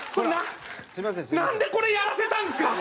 なんでこれやらせたんですか？